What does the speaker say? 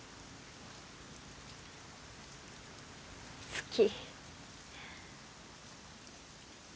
好き。